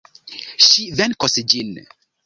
Ŝi venkos ĝin!